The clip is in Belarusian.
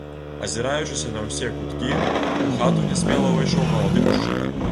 Азіраючыся на ўсе куткі, у хату нясмела ўвайшоў малады мужчына.